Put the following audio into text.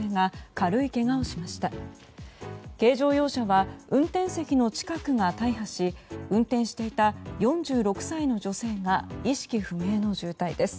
軽乗用車は運転席の近くが大破し運転していた４６歳の女性が意識不明の重体です。